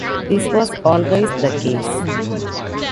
This was always the case.